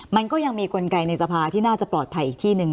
มันก็ยังมีกลไกในสภาที่น่าจะปลอดภัยอีกที่หนึ่ง